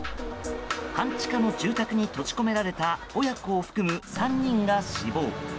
半地下の住宅に閉じ込められた親子を含む３人が死亡。